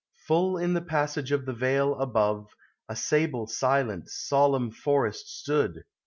Full in the passage of the vale, above, A sable, silent, solemn forest stood